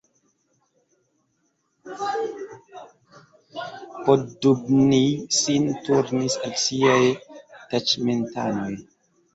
Poddubnij sin turnis al siaj taĉmentanoj.